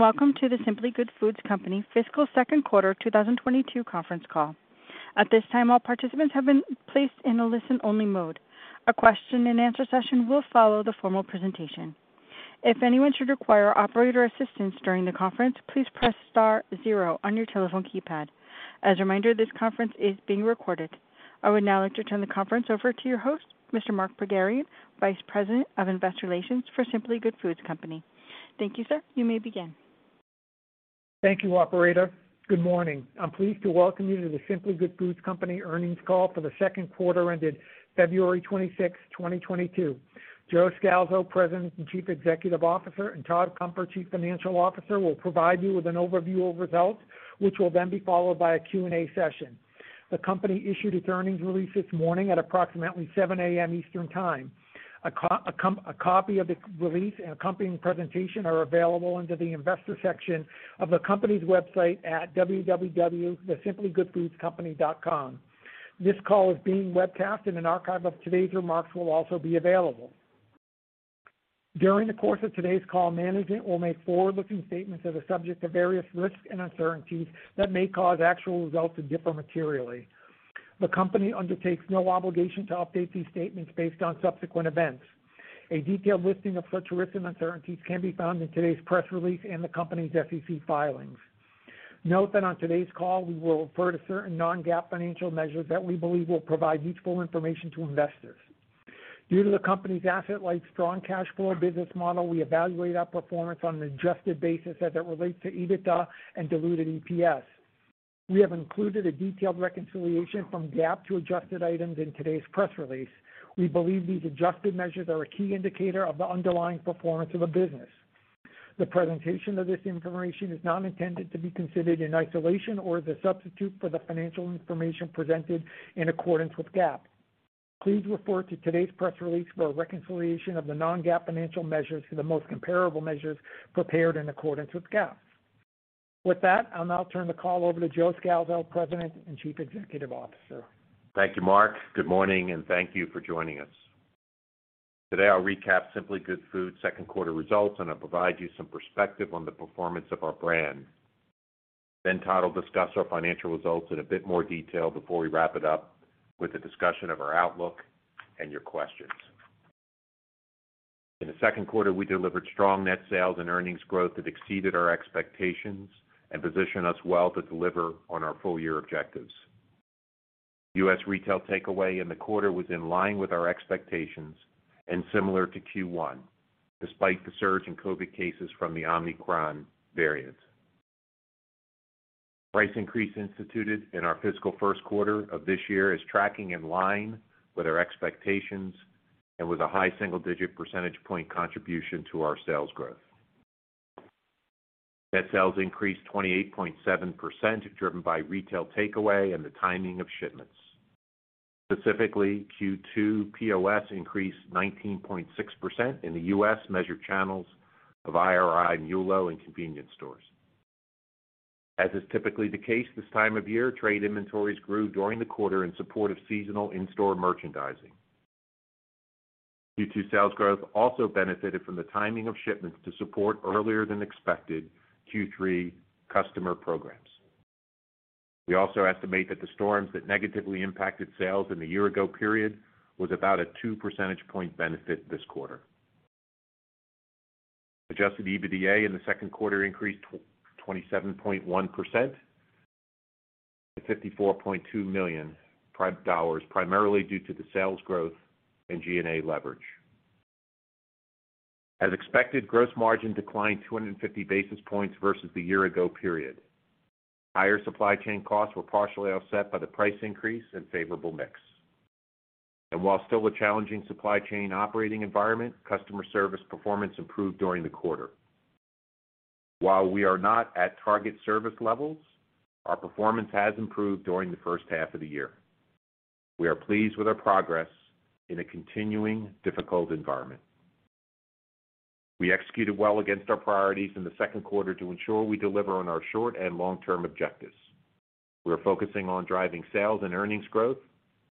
Welcome to the Simply Good Foods Company Fiscal Second Quarter 2022 Conference Call. At this time, all participants have been placed in a listen-only mode. A question-and-answer session will follow the formal presentation. If anyone should require operator assistance during the conference, please press star zero on your telephone keypad. As a reminder, this conference is being recorded. I would now like to turn the conference over to your host, Mr. Mark Pogharian, Vice President of Investor Relations for Simply Good Foods Company. Thank you, sir. You may begin. Thank you, operator. Good morning. I'm pleased to welcome you to The Simply Good Foods Company Earnings Call for the second quarter ended February 26, 2022. Joe Scalzo, President and Chief Executive Officer, and Todd Cunfer, Chief Financial Officer, will provide you with an overview of results, which will then be followed by a Q&A session. The company issued its earnings release this morning at approximately 7 AM Eastern Time. A copy of the release and accompanying presentation are available under the investor section of the company's website at www.thesimplygoodfoodscompany.com. This call is being webcast and an archive of today's remarks will also be available. During the course of today's call, management will make forward-looking statements that are subject to various risks and uncertainties that may cause actual results to differ materially. The company undertakes no obligation to update these statements based on subsequent events. A detailed listing of such risks and uncertainties can be found in today's press release and the company's SEC filings. Note that on today's call, we will refer to certain non-GAAP financial measures that we believe will provide useful information to investors. Due to the company's asset-light, strong cash flow business model, we evaluate our performance on an adjusted basis as it relates to EBITDA and diluted EPS. We have included a detailed reconciliation from GAAP to adjusted items in today's press release. We believe these adjusted measures are a key indicator of the underlying performance of the business. The presentation of this information is not intended to be considered in isolation or as a substitute for the financial information presented in accordance with GAAP. Please refer to today's press release for a reconciliation of the non-GAAP financial measures to the most comparable measures prepared in accordance with GAAP. With that, I'll now turn the call over to Joe Scalzo, President and Chief Executive Officer. Thank you, Mark. Good morning, and thank you for joining us. Today, I'll recap Simply Good Foods' second quarter results, and I'll provide you some perspective on the performance of our brand. Todd will discuss our financial results in a bit more detail before we wrap it up with a discussion of our outlook and your questions. In the second quarter, we delivered strong net sales and earnings growth that exceeded our expectations and position us well to deliver on our full year objectives. U.S. retail takeaway in the quarter was in line with our expectations and similar to Q1, despite the surge in COVID cases from the Omicron variant. Price increase instituted in our fiscal first quarter of this year is tracking in line with our expectations and with a high single-digit percentage point contribution to our sales growth. Net sales increased 28.7%, driven by retail takeaway and the timing of shipments. Specifically, Q2 POS increased 19.6% in the U.S. measured channels of IRI, Nielsen, and convenience stores. As is typically the case this time of year, trade inventories grew during the quarter in support of seasonal in-store merchandising. Q2 sales growth also benefited from the timing of shipments to support earlier than expected Q3 customer programs. We also estimate that the storms that negatively impacted sales in the year-ago period was about a two percentage point benefit this quarter. Adjusted EBITDA in the second quarter increased 27.1% to $54.2 million, primarily due to the sales growth and G&A leverage. As expected, gross margin declined 250 basis points versus the year-ago period. Higher supply chain costs were partially offset by the price increase and favorable mix. While still a challenging supply chain operating environment, customer service performance improved during the quarter. While we are not at target service levels, our performance has improved during the first half of the year. We are pleased with our progress in a continuing difficult environment. We executed well against our priorities in the second quarter to ensure we deliver on our short and long-term objectives. We are focusing on driving sales and earnings growth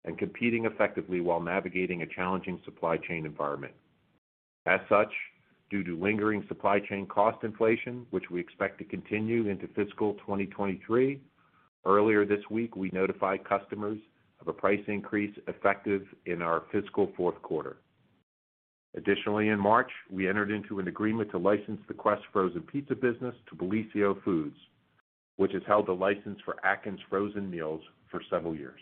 and competing effectively while navigating a challenging supply chain environment. As such, due to lingering supply chain cost inflation, which we expect to continue into fiscal 2023, earlier this week, we notified customers of a price increase effective in our fiscal fourth quarter. Additionally, in March, we entered into an agreement to license the Quest Frozen Pizza business to Bellisio Foods, which has held the license for Atkins Frozen Meals for several years.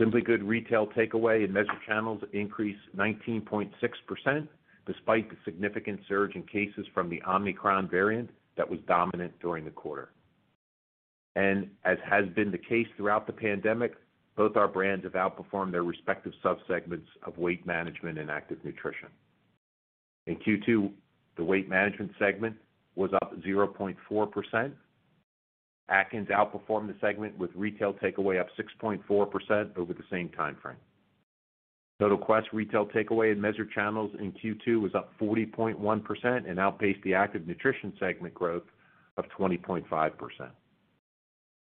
Simply Good retail takeaway in measured channels increased 19.6% despite the significant surge in cases from the Omicron variant that was dominant during the quarter. As has been the case throughout the pandemic, both our brands have outperformed their respective subsegments of weight management and active nutrition. In Q2, the weight management segment was up 0.4%. Atkins outperformed the segment with retail takeaway up 6.4% over the same timeframe. So total Quest retail takeaway in measured channels in Q2 was up 40.1% and outpaced the active nutrition segment growth of 20.5%.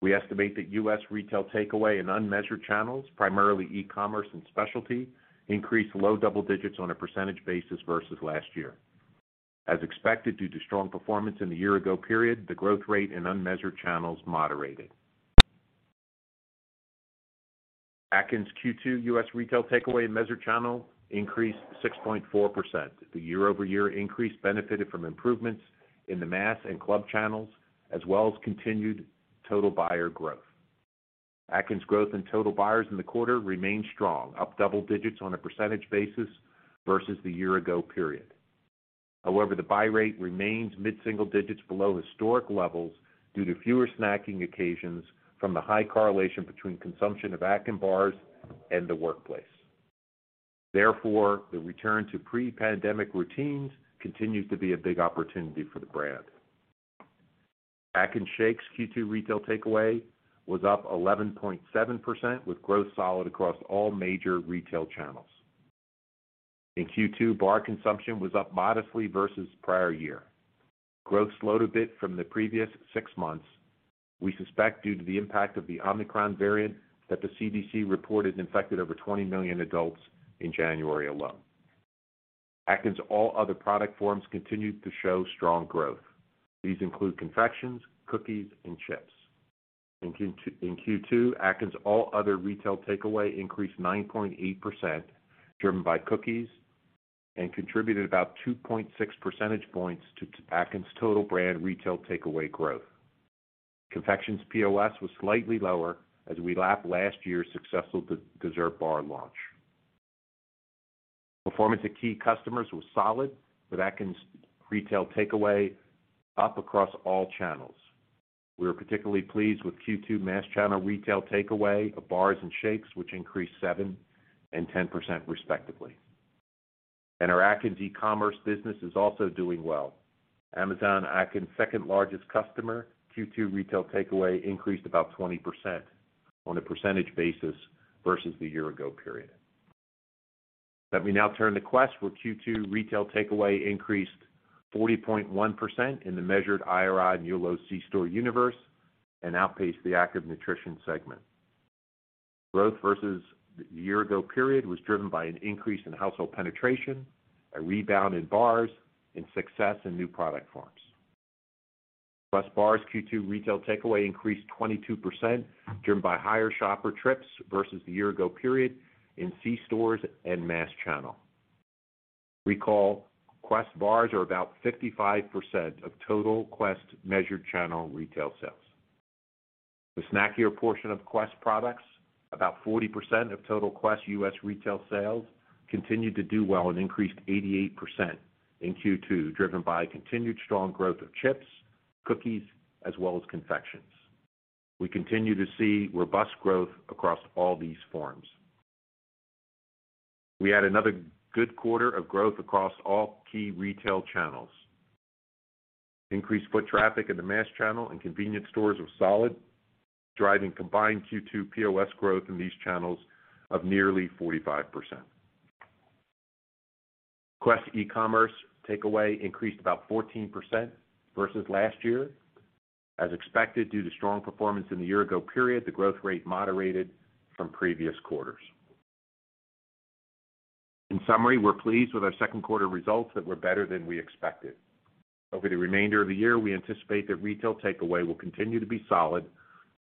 We estimate that U.S. retail takeaway in unmeasured channels, primarily e-commerce and specialty, increased low double digits on a percentage basis versus last year. As expected, due to strong performance in the year-ago period, the growth rate in unmeasured channels moderated. Atkins Q2 U.S. retail takeaway in measured channel increased 6.4%. The year-over-year increase benefited from improvements in the mass and club channels as well as continued total buyer growth. Atkins growth in total buyers in the quarter remained strong, up double digits on a percentage basis versus the year-ago period. However, the buy rate remains mid-single digits below historic levels due to fewer snacking occasions from the high correlation between consumption of Atkins bars and the workplace. Therefore, the return to pre-pandemic routines continues to be a big opportunity for the brand. Atkins Shakes Q2 retail takeaway was up 11.7%, with growth solid across all major retail channels. In Q2, bar consumption was up modestly versus prior year. Growth slowed a bit from the previous six months, we suspect due to the impact of the Omicron variant that the CDC reported infected over 20 million adults in January alone. Atkins all other product forms continued to show strong growth. These include confections, cookies, and chips. In Q2, Atkins all other retail takeaway increased 9.8%, driven by cookies and contributed about 2.6 percentage points to Atkins total brand retail takeaway growth. Confections POS was slightly lower as we lapped last year's successful Dessert Bar launch. Performance at key customers was solid, with Atkins retail takeaway up across all channels. We are particularly pleased with Q2 mass channel retail takeaway of bars and shakes, which increased 7% and 10% respectively. Our Atkins e-commerce business is also doing well. Amazon, Atkins' second-largest customer, Q2 retail takeaway increased about 20% on a percentage basis versus the year-ago period. Let me now turn to Quest, where Q2 retail takeaway increased 40.1% in the measured IRI MULO C-store universe and outpaced the Active Nutrition segment. Growth versus the year-ago period was driven by an increase in household penetration, a rebound in bars, and success in new product forms. Quest bars Q2 retail takeaway increased 22%, driven by higher shopper trips versus the year-ago period in C stores and mass channel. Recall Quest bars are about 55% of total Quest measured channel retail sales. The snackier portion of Quest products, about 40% of total Quest U.S. retail sales, continued to do well and increased 88% in Q2, driven by continued strong growth of chips, cookies, as well as confections. We continue to see robust growth across all these forms. We had another good quarter of growth across all key retail channels. Increased foot traffic in the mass channel and convenience stores were solid, driving combined Q2 POS growth in these channels of nearly 45%. Quest e-commerce takeaway increased about 14% versus last year. As expected, due to strong performance in the year-ago period, the growth rate moderated from previous quarters. In summary, we're pleased with our second quarter results that were better than we expected. Over the remainder of the year, we anticipate that retail takeaway will continue to be solid,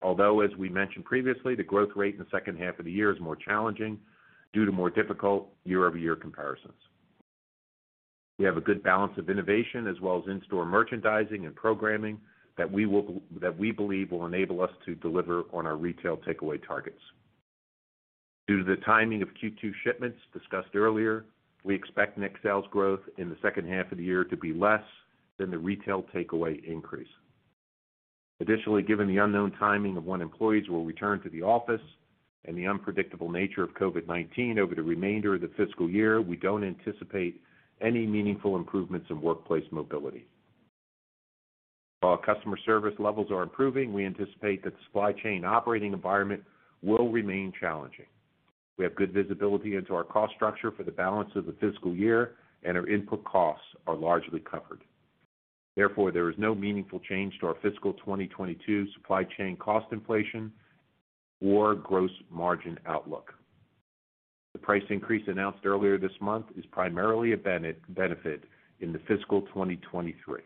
although as we mentioned previously, the growth rate in the second half of the year is more challenging due to more difficult year-over-year comparisons. We have a good balance of innovation as well as in-store merchandising and programming that we believe will enable us to deliver on our retail takeaway targets. Due to the timing of Q2 shipments discussed earlier, we expect net sales growth in the second half of the year to be less than the retail takeaway increase. Additionally, given the unknown timing of when employees will return to the office and the unpredictable nature of COVID-19 over the remainder of the fiscal year, we don't anticipate any meaningful improvements in workplace mobility. While customer service levels are improving, we anticipate that supply chain operating environment will remain challenging. We have good visibility into our cost structure for the balance of the fiscal year and our input costs are largely covered. Therefore, there is no meaningful change to our fiscal 2022 supply chain cost inflation or gross margin outlook. The price increase announced earlier this month is primarily a benefit in the fiscal 2023.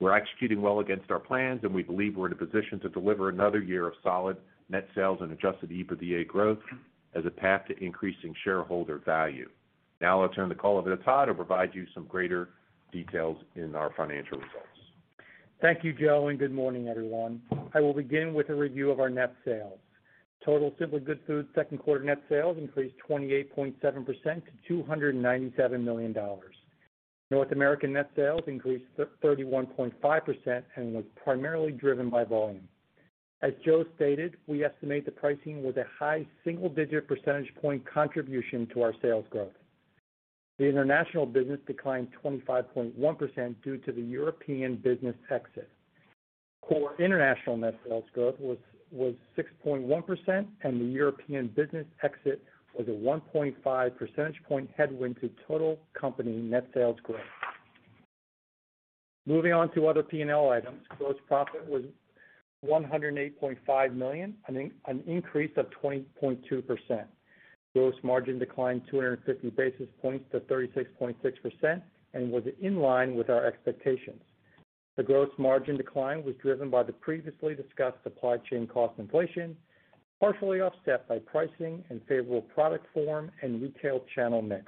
We're executing well against our plans, and we believe we're in a position to deliver another year of solid net sales and adjusted EBITDA growth as a path to increasing shareholder value. Now I'll turn the call over to Todd to provide you some greater details in our financial results. Thank you, Joe, and good morning, everyone. I will begin with a review of our net sales. Total Simply Good Foods second quarter net sales increased 28.7% to $297 million. North American net sales increased 31.5% and was primarily driven by volume. As Joe stated, we estimate the pricing was a high single-digit percentage point contribution to our sales growth. The international business declined 25.1% due to the European business exit. Core international net sales growth was 6.1% And the European business exit was a 1.5 percentage point headwind to total company net sales growth. Moving on to other P&L items. Gross profit was $108.5 million, an increase of 20.2%. Gross margin declined 250 basis points to 36.6% and was in line with our expectations. The gross margin decline was driven by the previously discussed supply chain cost inflation, partially offset by pricing and favorable product form and retail channel mix.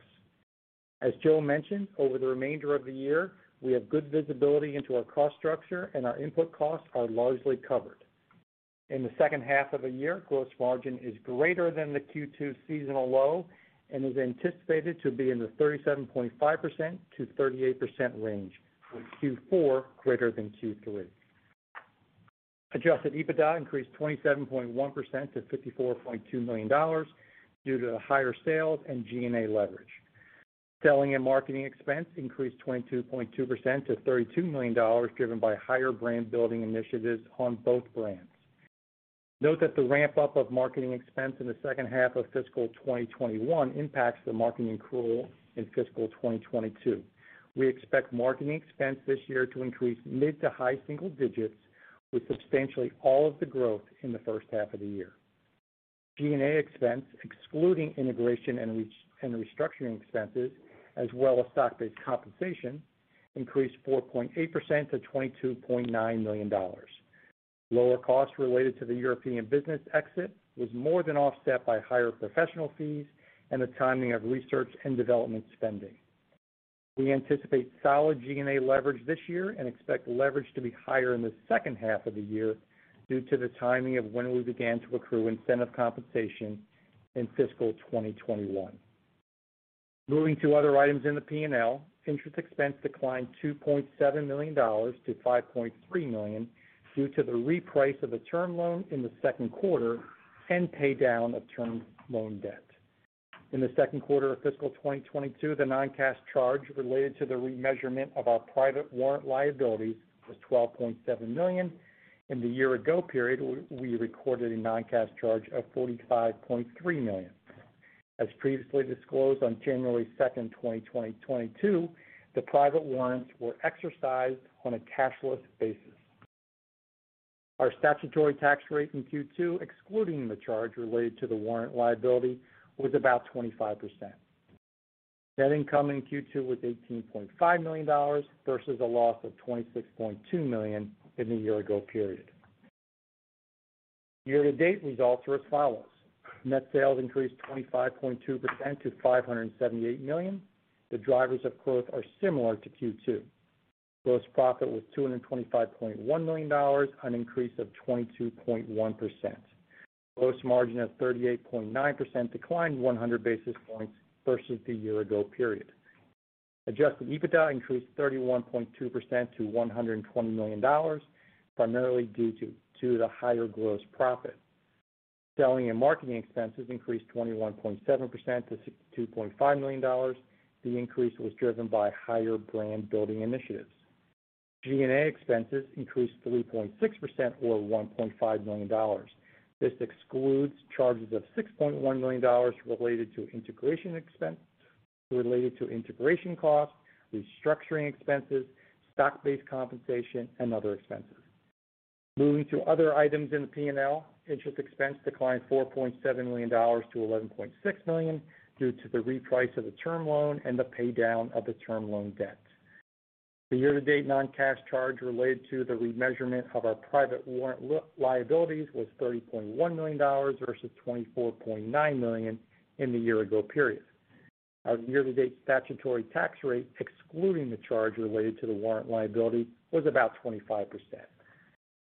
As Joe mentioned, over the remainder of the year, we have good visibility into our cost structure, and our input costs are largely covered. In the H2 of the year, gross margin is greater than the Q2 seasonal low and is anticipated to be in the 37.5%-38% range, with Q4 greater than Q3. Adjusted EBITDA increased 27.1% to $54.2 million due to the higher sales and G&A leverage. Selling and marketing expense increased 22.2% to $32 million, driven by higher brand-building initiatives on both brands. Note that the ramp-up of marketing expense in the second half of fiscal 2021 impacts the marketing accrual in fiscal 2022. We expect marketing expense this year to increase mid- to high-single digits, with substantially all of the growth in the H1 of the year. G&A expense excluding integration and restructuring expenses, as well as stock-based compensation, increased 4.8% to $22.9 million. Lower costs related to the European business exit was more than offset by higher professional fees and the timing of research and development spending. We anticipate solid G&A leverage this year and expect leverage to be higher in the H2 of the year due to the timing of when we began to accrue incentive compensation in fiscal 2021. Moving to other items in the P&L, interest expense declined $2.7 million to $5.3 million due to the reprice of the term loan in the second quarter and pay down of term loan debt. In the second quarter of fiscal 2022, the non-cash charge related to the remeasurement of our private warrant liability was $12.7 million. In the year ago period, we recorded a non-cash charge of $45.3 million. As previously disclosed on January 2, 2022, the private warrants were exercised on a cashless basis. Our statutory tax rate in Q2, excluding the charge related to the warrant liability, was about 25%. Net income in Q2 was $18.5 million versus a loss of $26.2 million in the year ago period. Year to date results are as follows: Net sales increased 25.2% to $578 million. The drivers of growth are similar to Q2. Gross profit was $225.1 million, an increase of 22.1%. Gross margin of 38.9% declined 100 basis points versus the year ago period. Adjusted EBITDA increased 31.2% to $120 million, primarily due to the higher gross profit. Selling and marketing expenses increased 21.7% to $62.5 million. The increase was driven by higher brand building initiatives. G&A expenses increased 3.6% or $1.5 million. This excludes charges of $6.1 million related to integration costs, restructuring expenses, stock-based compensation and other expenses. Moving to other items in the P&L. Interest expense declined $4.7 million to $11.6 million due to the reprice of the term loan and the pay down of the term loan debt. The year-to-date non-cash charge related to the remeasurement of our private warrant liabilities was $30.1 million versus $24.9 million in the year ago period. Our year-to-date statutory tax rate, excluding the charge related to the warrant liability, was about 25%.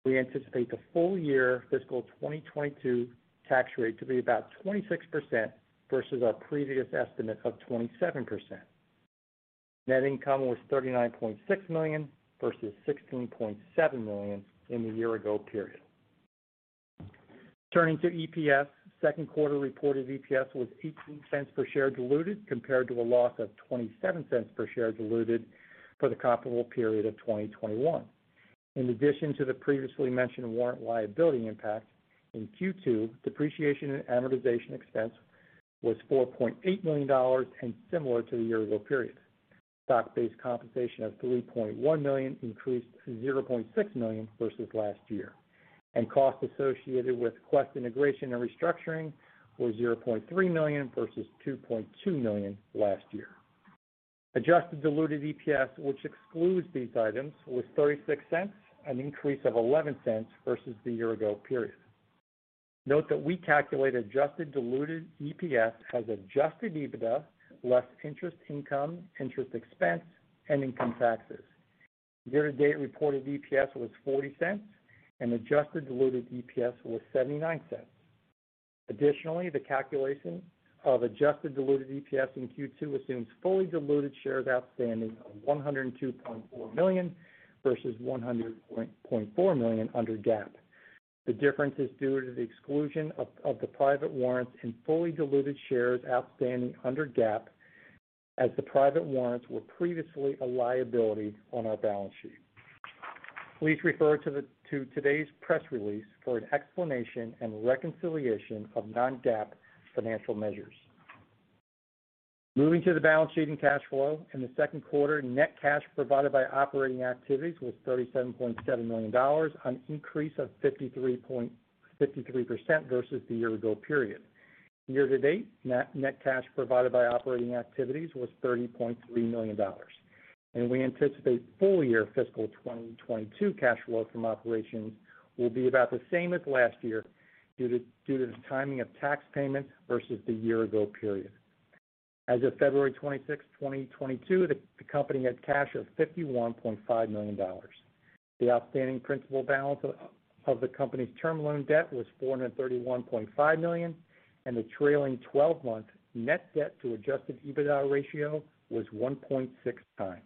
We anticipate the full-year fiscal 2022 tax rate to be about 26% versus our previous estimate of 27%. Net income was $39.6 million versus $16.7 million in the year ago period. Turning to EPS. Second quarter reported EPS was $0.18 per share diluted compared to a loss of $0.27 per share diluted for the comparable period of 2021. In addition to the previously mentioned warrant liability impact, in Q2, depreciation and amortization expense was $4.8 million, similar to the year ago period. Stock-based compensation of $3.1 million, an increase of $0.6 million versus last year, and costs associated with Quest integration and restructuring were $0.3 million versus $2.2 million last year. Adjusted diluted EPS, which excludes these items, was $0.36, an increase of $0.11 versus the year ago period. Note that we calculate adjusted diluted EPS as adjusted EBITDA less interest income, interest expense, and income taxes. Year-to-date reported EPS was $0.40 and adjusted diluted EPS was $0.79. Additionally, the calculation of adjusted diluted EPS in Q2 assumes fully diluted shares outstanding of 102.4 million versus 100.4 million under GAAP. The difference is due to the exclusion of the private warrants in fully diluted shares outstanding under GAAP as the private warrants were previously a liability on our balance sheet. Please refer to today's press release for an explanation and reconciliation of non-GAAP financial measures. Moving to the balance sheet and cash flow. In the second quarter, net cash provided by operating activities was $37.7 million, an increase of 53% versus the year ago period. Year to date, net cash provided by operating activities was $30.3 million. We anticipate full year fiscal 2022 cash flow from operations will be about the same as last year due to the timing of tax payments versus the year ago period. As of February 26, 2022, the company had cash of $51.5 million. The outstanding principal balance of the company's term loan debt was $431.5 million, and the trailing twelve-month net debt to adjusted EBITDA ratio was 1.6 times.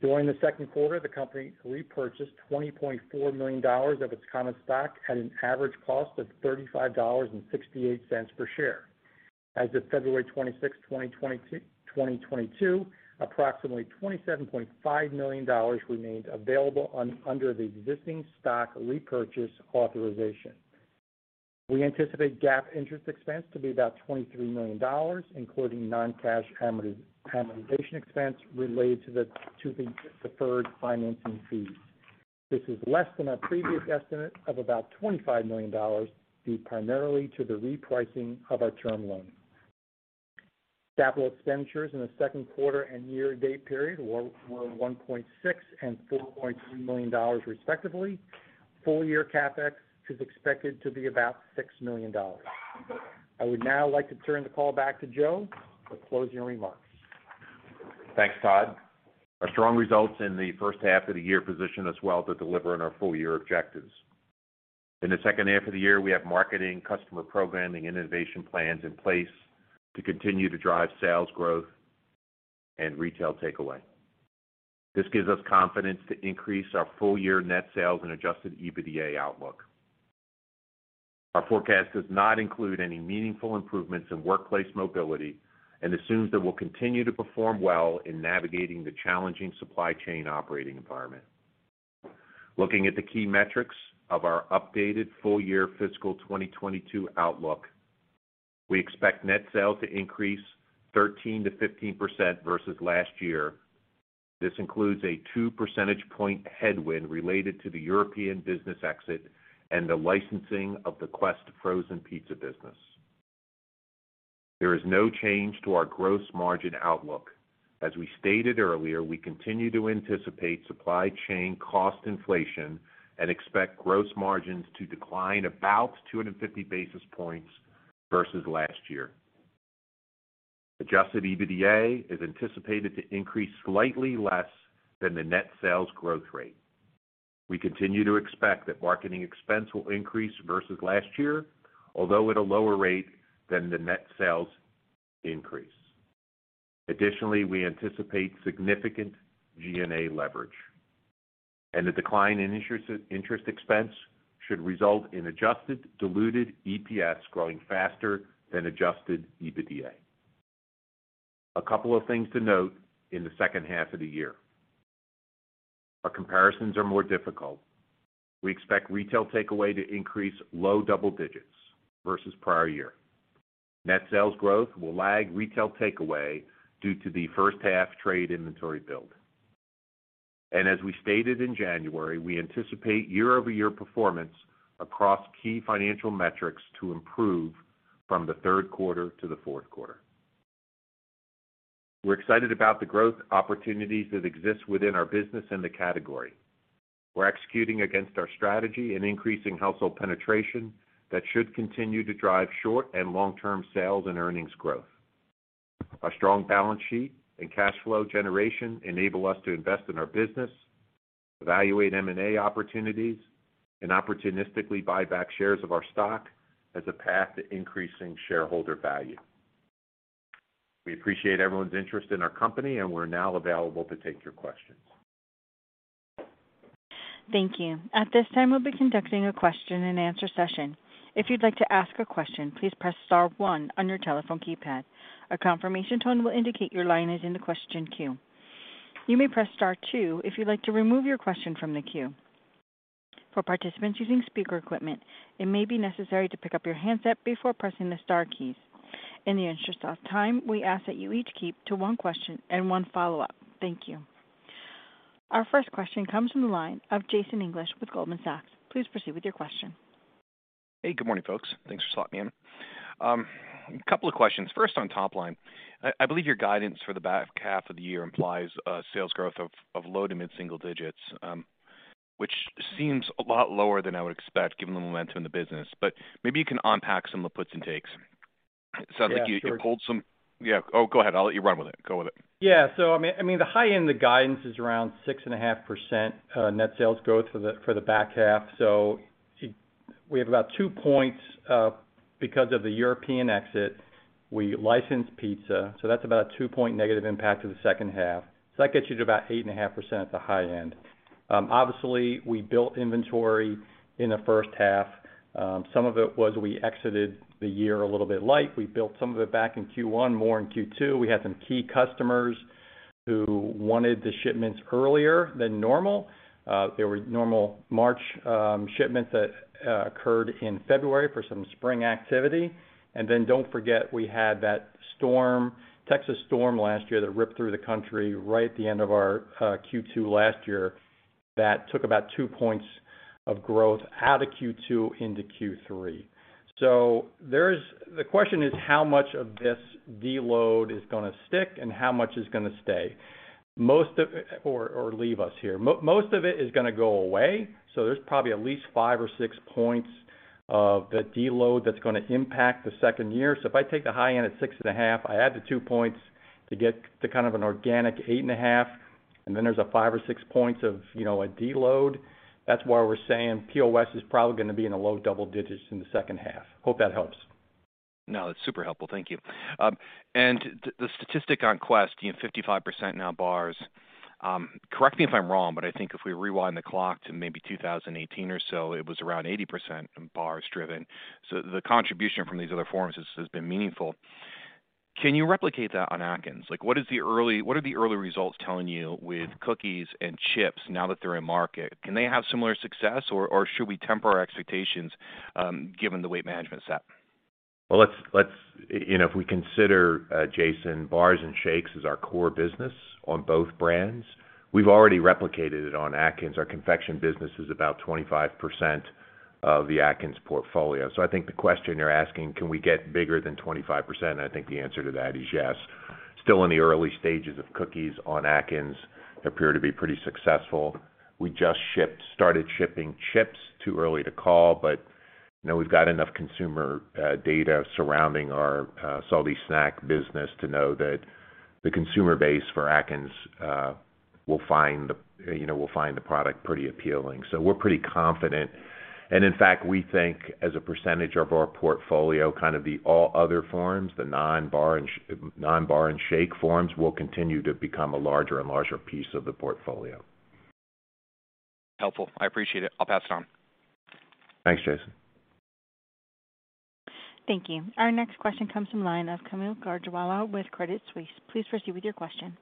During the second quarter, the company repurchased $20.4 million of its common stock at an average cost of $35.68 per share. As of February 26, 2022, approximately $27.5 million remained available under the existing stock repurchase authorization. We anticipate GAAP interest expense to be about $23 million, including non-cash amortization expense related to the deferred financing fees. This is less than our previous estimate of about $25 million, due primarily to the repricing of our term loan. Capital expenditures in the second quarter and year-to-date period were $1.6 million and $4.3 million, respectively. Full year CapEx is expected to be about $6 million. I would now like to turn the call back to Joe for closing remarks. Thanks, Todd. Our strong results in the first half of the year position us well to deliver on our full year objectives. In the second half of the year, we have marketing, customer programming, and innovation plans in place to continue to drive sales growth and retail takeaway. This gives us confidence to increase our full year net sales and adjusted EBITDA outlook. Our forecast does not include any meaningful improvements in workplace mobility and assumes that we'll continue to perform well in navigating the challenging supply chain operating environment. Looking at the key metrics of our updated full year fiscal 2022 outlook, we expect net sales to increase 13%-15% versus last year. This includes a two percentage point headwind related to the European business exit and the licensing of the Quest frozen pizza business. There is no change to our gross margin outlook. As we stated earlier, we continue to anticipate supply chain cost inflation and expect gross margins to decline about 250 basis points versus last year. Adjusted EBITDA is anticipated to increase slightly less than the net sales growth rate. We continue to expect that marketing expense will increase versus last year, although at a lower rate than the net sales increase. Additionally, we anticipate significant G&A leverage, and the decline in interest expense should result in adjusted diluted EPS growing faster than adjusted EBITDA. A couple of things to note in the second half of the year. Our comparisons are more difficult. We expect retail takeaway to increase low double digits versus prior year. Net sales growth will lag retail takeaway due to the first half trade inventory build. As we stated in January, we anticipate year-over-year performance across key financial metrics to improve from the third quarter to the fourth quarter. We're excited about the growth opportunities that exist within our business and the category. We're executing against our strategy and increasing household penetration that should continue to drive short and long-term sales and earnings growth. Our strong balance sheet and cash flow generation enable us to invest in our business, evaluate M&A opportunities, and opportunistically buy back shares of our stock as a path to increasing shareholder value. We appreciate everyone's interest in our company, and we're now available to take your questions. Thank you. At this time, we'll be conducting a question-and-answer session. If you'd like to ask a question, please press star one on your telephone keypad. A confirmation tone will indicate your line is in the question queue. You may press star two if you'd like to remove your question from the queue. For participants using speaker equipment, it may be necessary to pick up your handset before pressing the star keys. In the interest of time, we ask that you each keep to one question and one follow-up. Thank you. Our first question comes from the line of Jason English with Goldman Sachs. Please proceed with your question. Hey, good morning, folks. Thanks for slotting me in. A couple of questions. First, on top line. I believe your guidance for the back half of the year implies sales growth of low- to mid-single digits, which seems a lot lower than I would expect, given the momentum in the business. Maybe you can unpack some of the puts and takes. Sounds like you Yeah, sure. Yeah. Oh, go ahead. I'll let you run with it. Go with it. Yeah. I mean, the high end of guidance is around 6.5% net sales growth for the back half. We have about two points because of the European exit. We licensed pizza, so that's about a two-point negative impact to the second half. That gets you to about 8.5% at the high end. Obviously, we built inventory in the first half. Some of it was we exited the year a little bit light. We built some of it back in Q1, more in Q2. We had some key customers who wanted the shipments earlier than normal. There were normal March shipments that occurred in February for some spring activity. Don't forget, we had that Texas storm last year that ripped through the country right at the end of our Q2 last year that took about two points of growth out of Q2 into Q3. The question is how much of this deload is gonna stick and how much is gonna stay. Most of it or leave us here. Most of it is gonna go away, so there's probably at least five or six points of the deload that's gonna impact the second year. If I take the high-end at 6.5, I add the two points to get to kind of an organic 8.5, and then there's a five or six points of, you know, a deload. That's why we're saying POS is probably gonna be in the low double digits in the second half. Hope that helps. No, that's super helpful. Thank you. The statistic on Quest, 55% now bars, correct me if I'm wrong, but I think if we rewind the clock to maybe 2018 or so, it was around 80% in bars driven. The contribution from these other forms has been meaningful. Can you replicate that on Atkins? What are the early results telling you with cookies and chips now that they're in market? Can they have similar success or should we temper our expectations, given the weight management sector? Well, let's. You know, if we consider Quest bars and shakes as our core business on both brands, we've already replicated it on Atkins. Our confection business is about 25% of the Atkins portfolio. I think the question you're asking, can we get bigger than 25%? I think the answer to that is yes. Still in the early stages of cookies on Atkins, appear to be pretty successful. We just started shipping chips, too early to call, but, you know, we've got enough consumer data surrounding our salty snack business to know that the consumer base for Atkins will find the product pretty appealing. We're pretty confident. In fact, we think as a percentage of our portfolio, kind of the all other forms, the non-bar and shake forms will continue to become a larger and larger piece of the portfolio. Helpful. I appreciate it. I'll pass it on. Thanks, Jason. Thank you. Our next question comes from the line of Kaumil Gajrawala with Credit Suisse. Please proceed with your question.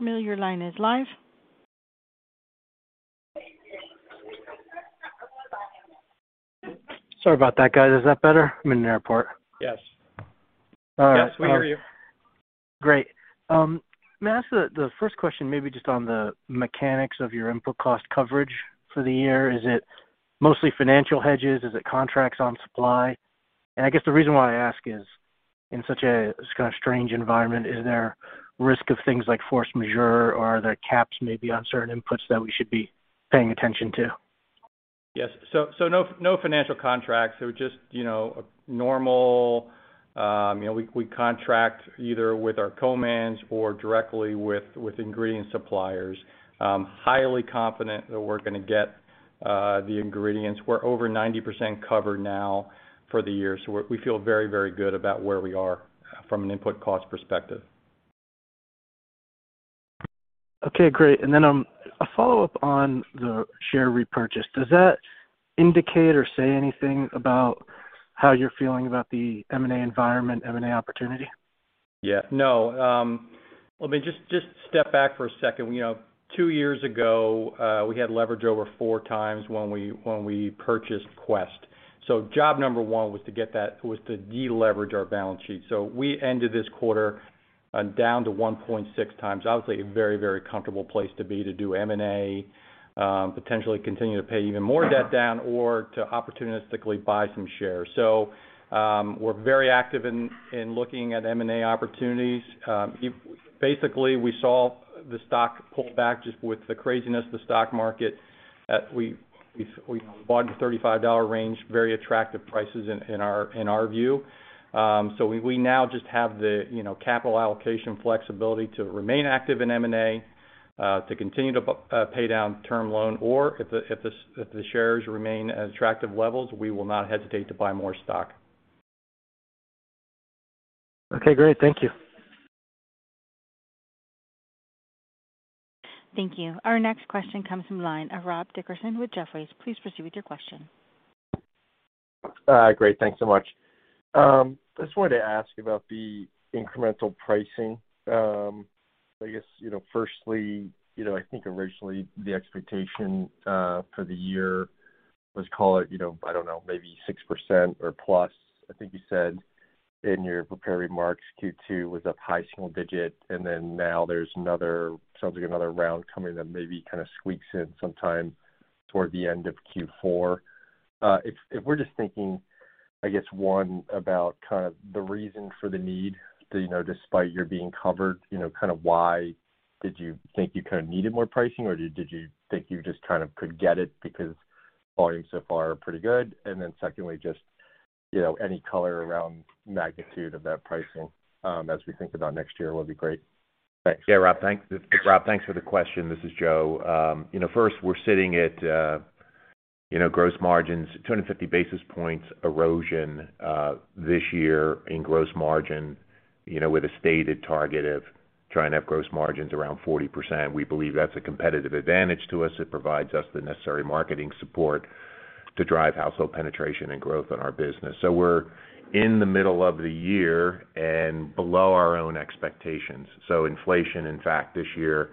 Kaumil, your line is live. Sorry about that, guys. Is that better? I'm in an airport. Yes. All right. Yes, we hear you. Great. May I ask the first question maybe just on the mechanics of your input cost coverage for the year. Is it mostly financial hedges? Is it contracts on supply? I guess the reason why I ask is in such a kind of strange environment, is there risk of things like force majeure, or are there caps maybe on certain inputs that we should be paying attention to? Yes. No financial contracts. Just, you know, normal. You know, we contract either with our co-mans or directly with ingredient suppliers. Highly confident that we're gonna get the ingredients. We're over 90% covered now for the year, so we feel very good about where we are from an input cost perspective. Okay, great. A follow-up on the share repurchase. Does that indicate or say anything about how you're feeling about the M&A environment, M&A opportunity? Yeah. No. Let me just step back for a second. You know, two years ago, we had leverage over four times when we purchased Quest. Job number one was to deleverage our balance sheet. We ended this quarter down to 1.6 times, obviously a very comfortable place to be to do M&A, potentially continue to pay even more debt down or to opportunistically buy some shares. We're very active in looking at M&A opportunities. Basically, we saw the stock pull back just with the craziness of the stock market. We, you know, we bought in the $35 range, very attractive prices in our view. We now just have the, you know, capital allocation flexibility to remain active in M&A, to continue to pay down term loan, or if the shares remain at attractive levels, we will not hesitate to buy more stock. Okay, great. Thank you. Thank you. Our next question comes from the line of Rob Dickerson with Jefferies. Please proceed with your question. Great. Thanks so much. I just wanted to ask about the incremental pricing. I guess, you know, firstly, you know, I think originally the expectation for the year, let's call it, you know, I don't know, maybe 6% or plus, I think you said in your prepared remarks, Q2 was up high single digit, and then now there's another, sounds like another round coming that maybe kind of squeaks in sometime toward the end of Q4. If we're just thinking, I guess, one, about kind of the reason for the need, you know, despite you being covered, you know, kind of why did you think you kind of needed more pricing or did you think you just kind of could get it because volumes so far are pretty good? Secondly, just, you know, any color around magnitude of that pricing, as we think about next year would be great. Thanks. Rob, thanks for the question. This is Joe. You know, first, we're sitting at, you know, gross margins, 250 basis points erosion, this year in gross margin, you know, with a stated target of trying to have gross margins around 40%. We believe that's a competitive advantage to us. It provides us the necessary marketing support to drive household penetration and growth in our business. We're in the middle of the year and below our own expectations. Inflation, in fact, this year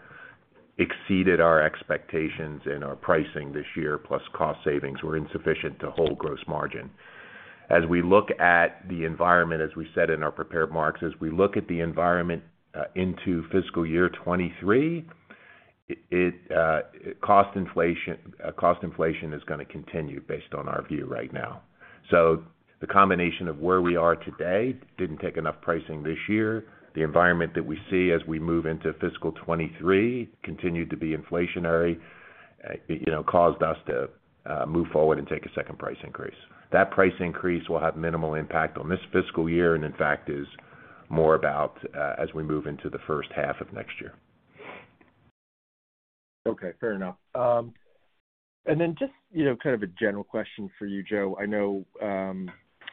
exceeded our expectations in our pricing this year, plus cost savings were insufficient to hold gross margin. As we look at the environment, as we said in our prepared remarks, into FY 2023, cost inflation is gonna continue based on our view right now. The combination of where we are today didn't take enough pricing this year. The environment that we see as we move into fiscal 2023 continued to be inflationary, you know, caused us to move forward and take a second price increase. That price increase will have minimal impact on this fiscal year and in fact is more about, as we move into the H1 of next year. Okay, fair enough. Just, you know, kind of a general question for you, Joe. I know,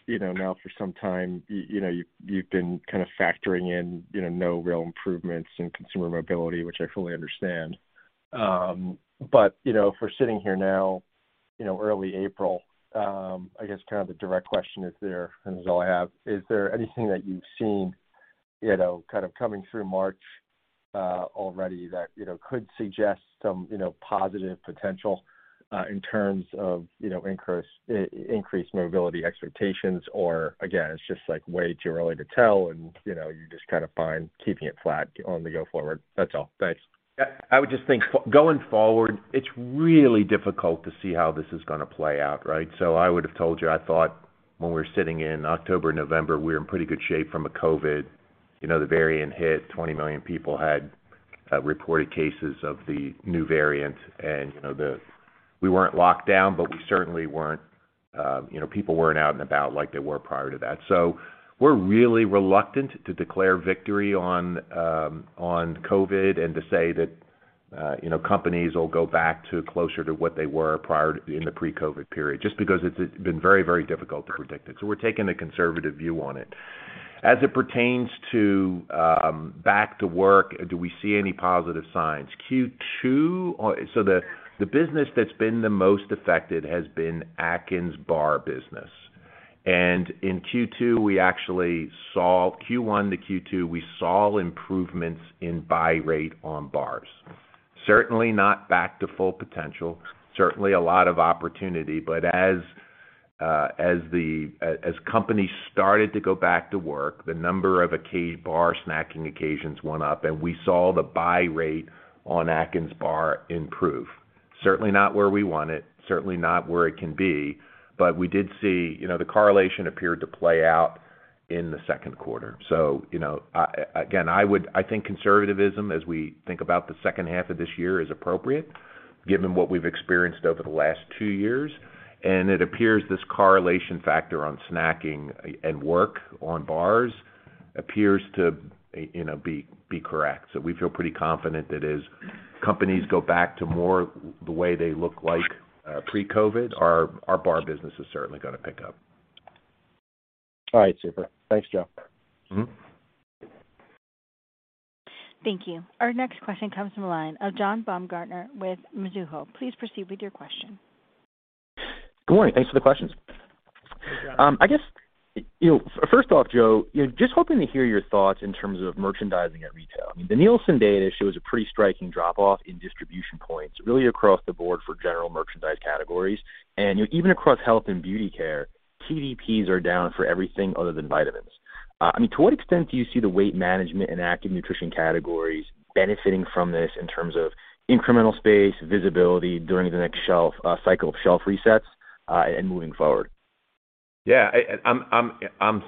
you know, now for some time, you know, you've been kind of factoring in, you know, no real improvements in consumer mobility, which I fully understand. You know, if we're sitting here now, you know, early April, I guess kind of the direct question is there, and this is all I have. Is there anything that you've seen, you know, kind of coming through March, already that, you know, could suggest some, you know, positive potential, in terms of, you know, increased mobility expectations? Again, it's just like way too early to tell and, you know, you're just kind of fine keeping it flat on the go forward. That's all. Thanks. Yeah. I would just think going forward, it's really difficult to see how this is gonna play out, right? I would have told you, I thought when we were sitting in October, November, we were in pretty good shape from a COVID. You know, the variant hit. 20 million people had reported cases of the new variant. You know, we weren't locked down, but we certainly weren't, you know, people weren't out and about like they were prior to that. We're really reluctant to declare victory on COVID and to say that, you know, companies will go back to closer to what they were prior to in the pre-COVID period, just because it's been very, very difficult to predict it. We're taking a conservative view on it. As it pertains to back to work, do we see any positive signs? In Q2, the business that's been the most affected has been Atkins bar business. In Q2, we actually saw Q1 to Q2, we saw improvements in buy rate on bars. Certainly not back to full potential, certainly a lot of opportunity. As companies started to go back to work, the number of bar snacking occasions went up and we saw the buy rate on Atkins bar improve. Certainly not where we want it, certainly not where it can be, but we did see, you know, the correlation appeared to play out in the second quarter. You know, again, I think conservatism, as we think about the H1 of this year, is appropriate given what we've experienced over the last two years. It appears this correlation factor on snacking and work on bars appears to, you know, be correct. We feel pretty confident that as companies go back to more the way they look like pre-COVID, our bar business is certainly gonna pick up. All right. Super. Thanks, Joe. Mm-hmm. Thank you. Our next question comes from the line of John Baumgartner with Mizuho. Please proceed with your question. Good morning. Thanks for the questions. Hey, John. I guess, you know, first off, Joe, just hoping to hear your thoughts in terms of merchandising at retail. I mean, the Nielsen data shows a pretty striking drop off in distribution points really across the board for general merchandise categories. Even across health and beauty care, TDPs are down for everything other than vitamins. I mean, to what extent do you see the weight management and active nutrition categories benefiting from this in terms of incremental space, visibility during the next shelf cycle of shelf resets, and moving forward? Yeah. I'm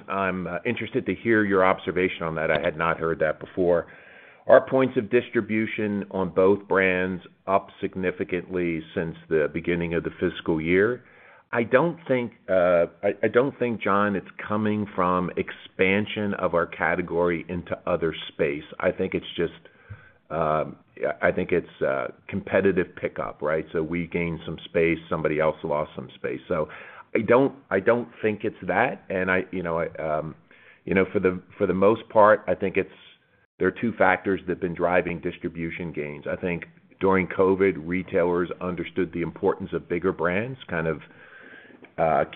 interested to hear your observation on that. I had not heard that before. Our points of distribution on both brands up significantly since the beginning of the fiscal year. I don't think, John, it's coming from expansion of our category into other space. I think it's just competitive pickup, right? We gained some space, somebody else lost some space. I don't think it's that. You know, for the most part, I think there are two factors that have been driving distribution gains. I think during COVID, retailers understood the importance of bigger brands, kind of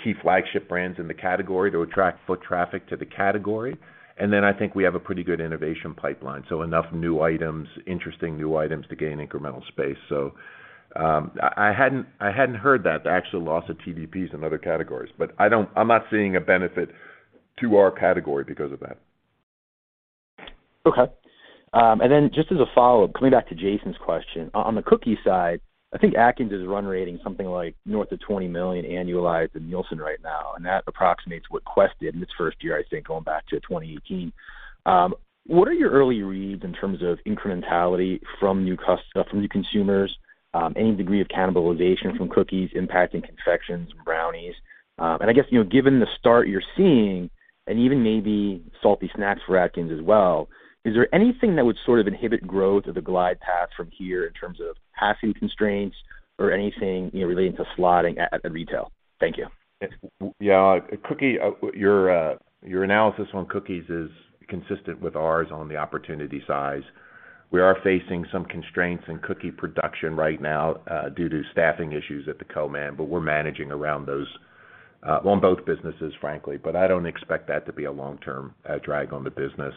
key flagship brands in the category to attract foot traffic to the category. I think we have a pretty good innovation pipeline, so enough new items, interesting new items to gain incremental space. I hadn't heard that, the actual loss of TDPs in other categories, but I'm not seeing a benefit to our category because of that. Okay. Just as a follow-up, coming back to Jason's question. On the cookie side, I think Atkins is run rating something like north of $20 million annualized in Nielsen right now, and that approximates what Quest did in its first year, I think, going back to 2018. What are your early reads in terms of incrementality from new consumers? Any degree of cannibalization from cookies impacting confections and brownies. I guess, you know, given the start you're seeing and even maybe salty snacks for Atkins as well, is there anything that would sort of inhibit growth of the glide path from here in terms of passing constraints or anything, you know, relating to slotting at the retail? Thank you. Yeah. Cookie, your analysis on cookies is consistent with ours on the opportunity size. We are facing some constraints in cookie production right now, due to staffing issues at the co-man, but we're managing around those, on both businesses, frankly. I don't expect that to be a long-term drag on the business.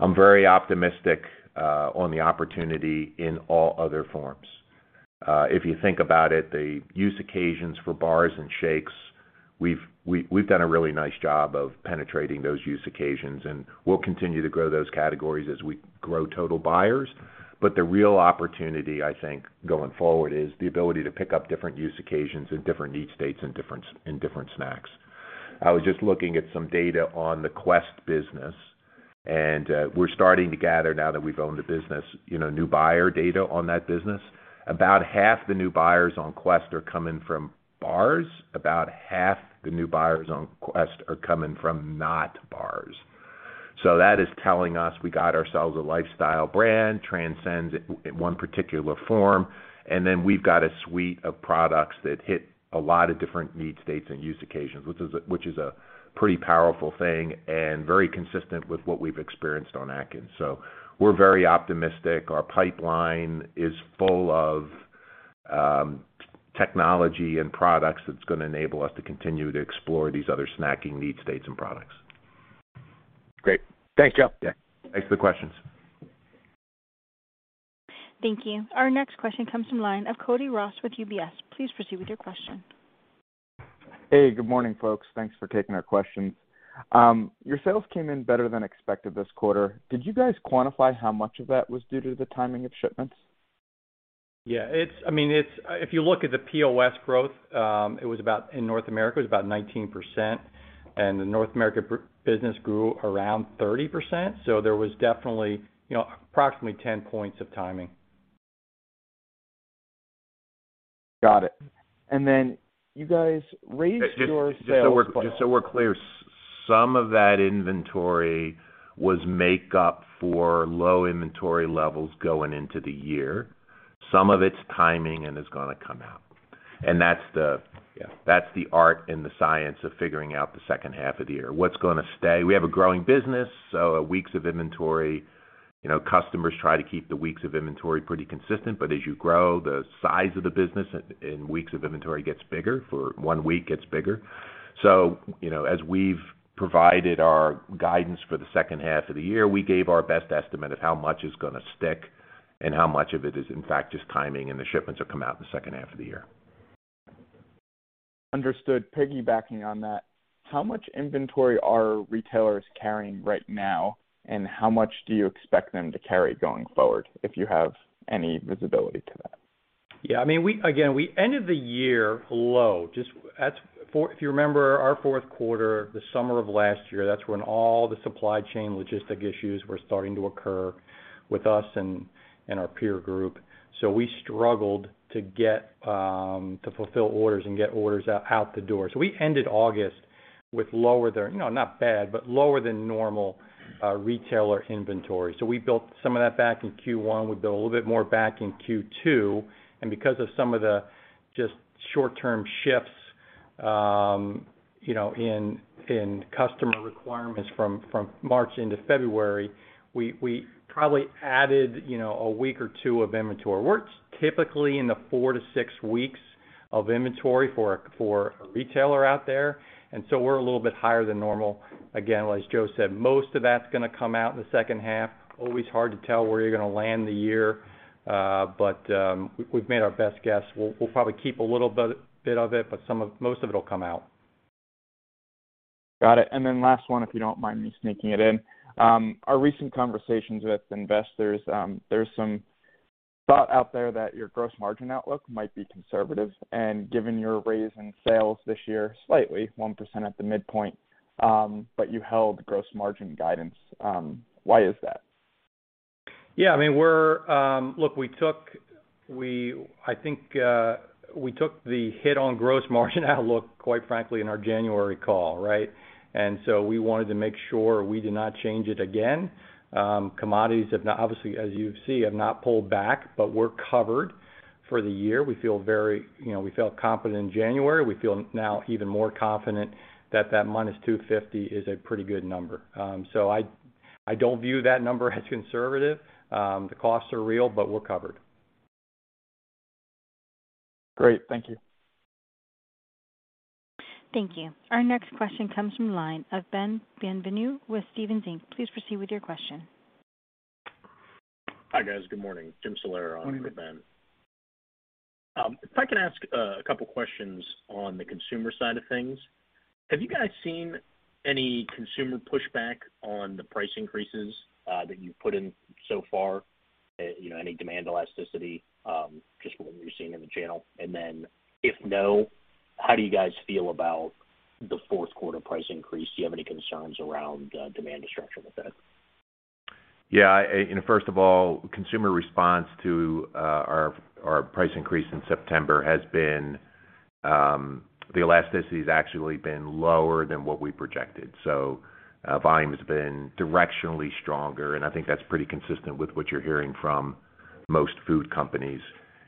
I'm very optimistic on the opportunity in all other forms. If you think about it, the use occasions for bars and shakes, we've done a really nice job of penetrating those use occasions, and we'll continue to grow those categories as we grow total buyers. The real opportunity, I think, going forward is the ability to pick up different use occasions in different need states in different snacks. I was just looking at some data on the Quest business, and we're starting to gather now that we've owned the business, you know, new buyer data on that business. About half the new buyers on Quest are coming from bars. About half the new buyers on Quest are coming from not bars. That is telling us we got ourselves a lifestyle brand transcends in one particular form, and then we've got a suite of products that hit a lot of different need states and use occasions, which is a pretty powerful thing and very consistent with what we've experienced on Atkins. We're very optimistic. Our pipeline is full of technology and products that's gonna enable us to continue to explore these other snacking need states and products. Great. Thanks, Joe. Yeah. Thanks for the questions. Thank you. Our next question comes from the line of Cody Ross with UBS. Please proceed with your question. Hey, good morning, folks. Thanks for taking our questions. Your sales came in better than expected this quarter. Did you guys quantify how much of that was due to the timing of shipments? I mean, it's if you look at the POS growth, in North America it was about 19%, and the North America business grew around 30%. There was definitely, you know, approximately 10 points of timing. Got it. You guys raised your sales. Just so we're clear, some of that inventory was make up for low inventory levels going into the year. Some of it's timing and is gonna come out. That's the- Yeah. That's the art and the science of figuring out the second half of the year. What's gonna stay? We have a growing business, so weeks of inventory, you know, customers try to keep the weeks of inventory pretty consistent, but as you grow the size of the business and weeks of inventory gets bigger, for one week gets bigger. You know, as we've provided our guidance for the second half of the year, we gave our best estimate of how much is gonna stick and how much of it is in fact just timing and the shipments will come out in the second half of the year. Understood. Piggybacking on that, how much inventory are retailers carrying right now, and how much do you expect them to carry going forward, if you have any visibility to that? Yeah, I mean, again, we ended the year low, just if you remember our fourth quarter, the summer of last year, that's when all the supply chain logistic issues were starting to occur with us and our peer group. We struggled to get to fulfill orders and get orders out the door. We ended August with lower than, you know, not bad, but lower than normal retailer inventory. We built some of that back in Q1. We built a little bit more back in Q2. Because of some of the just short-term shifts, you know, in customer requirements from March into February, we probably added, you know, a week or two of inventory. We're typically in the 4-6 weeks of inventory for a retailer out there, and so we're a little bit higher than normal. Again, as Joe said, most of that's gonna come out in the second half. Always hard to tell where you're gonna land the year, but we've made our best guess. We'll probably keep a little bit of it, but most of it will come out. Got it. Last one, if you don't mind me sneaking it in. Our recent conversations with investors, there's some thought out there that your gross margin outlook might be conservative, and given your raise in sales this year, slightly 1% at the midpoint, but you held gross margin guidance. Why is that? Yeah. I mean, look, I think we took the hit on gross margin outlook, quite frankly, in our January call, right? We wanted to make sure we did not change it again. Commodities have not, obviously, as you see, pulled back, but we're covered for the year. We feel very, you know, we felt confident in January. We feel now even more confident that that -250 is a pretty good number. I don't view that number as conservative. The costs are real, but we're covered. Great. Thank you. Thank you. Our next question comes from the line of Ben Bienvenu with Stephens Inc. Please proceed with your question. Hi, guys. Good morning. James Salera on for Ben. If I can ask a couple of questions on the consumer side of things. Have you guys seen any consumer pushback on the price increases that you've put in so far? You know, any demand elasticity just from what you're seeing in the channel? If no, how do you guys feel about the fourth quarter price increase? Do you have any concerns around demand destruction with it? Yeah, first of all, consumer response to our price increase in September has been, the elasticity has actually been lower than what we projected. Volume has been directionally stronger, and I think that's pretty consistent with what you're hearing from most food companies.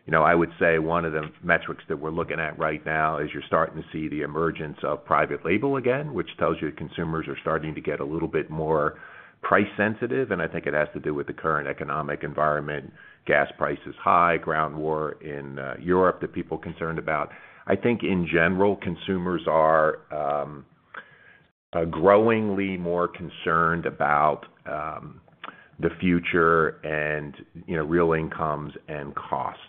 You know, I would say one of the metrics that we're looking at right now is you're starting to see the emergence of private label again, which tells you consumers are starting to get a little bit more price sensitive, and I think it has to do with the current economic environment, gas prices high, ground war in Europe that people are concerned about. I think in general, consumers are growingly more concerned about the future and, you know, real incomes and costs.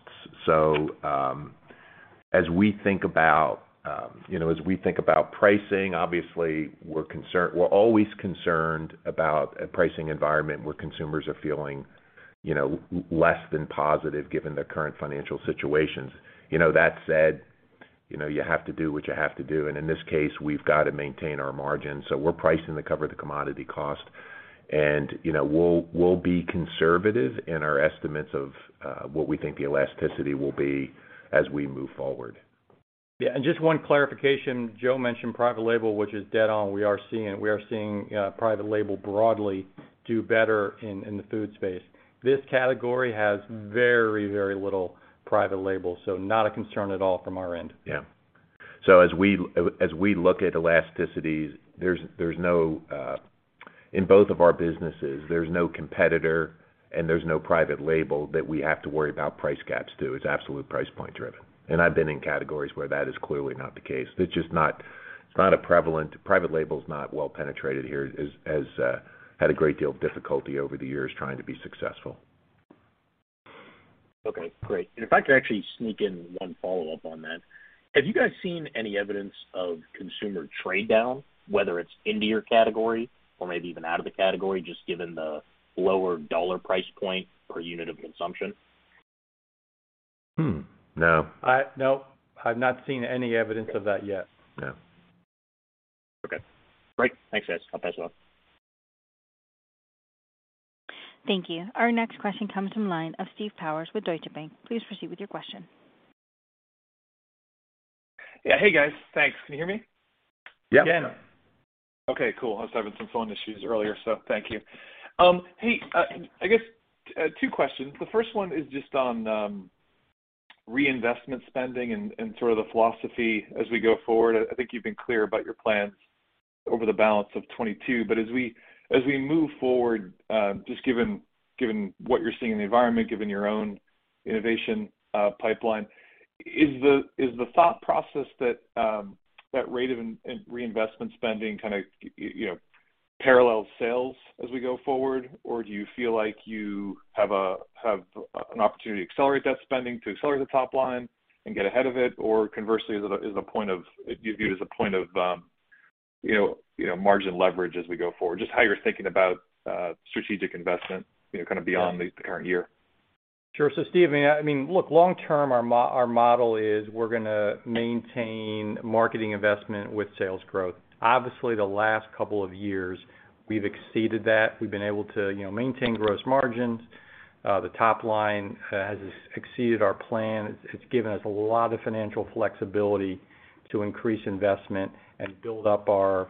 As we think about pricing, obviously we're concerned. We're always concerned about a pricing environment where consumers are feeling, you know, less than positive given their current financial situations. You know, that said, you know, you have to do what you have to do. In this case, we've got to maintain our margins. We're pricing to cover the commodity cost. You know, we'll be conservative in our estimates of what we think the elasticity will be as we move forward. Yeah, just one clarification. Joe mentioned private label, which is dead on. We are seeing private label broadly do better in the food space. This category has very, very little private label, so not a concern at all from our end. Yeah. As we look at elasticities, in both of our businesses, there's no competitor and there's no private label that we have to worry about price gaps to. It's absolute price point driven. I've been in categories where that is clearly not the case. It's just not. Private label's not well penetrated here. It has had a great deal of difficulty over the years trying to be successful. Okay, great. If I could actually sneak in one follow-up on that. Have you guys seen any evidence of consumer trade down, whether it's into your category or maybe even out of the category, just given the lower dollar price point per unit of consumption? No. No, I've not seen any evidence of that yet. No. Okay. Great. Thanks, guys. I'll pass it on. Thank you. Our next question comes from the line of Steve Powers with Deutsche Bank. Please proceed with your question. Yeah. Hey, guys. Thanks. Can you hear me? Yep. Yeah. Okay, cool. I was having some phone issues earlier, so thank you. Hey, I guess two questions. The first one is just on reinvestment spending and sort of the philosophy as we go forward. I think you've been clear about your plans over the balance of 2022. As we move forward, just given what you're seeing in the environment, given your own innovation pipeline, is the thought process that that rate of reinvestment spending kind of you know parallel sales as we go forward? Or do you feel like you have an opportunity to accelerate that spending, to accelerate the top line and get ahead of it? Conversely, do you view it as a point of margin leverage as we go forward? Just how you're thinking about strategic investment, you know, kind of beyond the current year. Sure. Steve, I mean, look, long term, our model is we're gonna maintain marketing investment with sales growth. Obviously, the last couple of years, we've exceeded that. We've been able to, you know, maintain gross margins. The top line has exceeded our plan. It's given us a lot of financial flexibility to increase investment and build up our